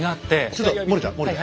ちょっと森田森田。